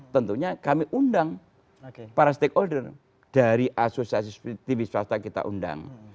tentunya kami undang para stakeholder dari asosiasi tv swasta kita undang